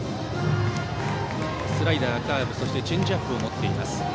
スライダー、カーブそしてチェンジアップを持っています。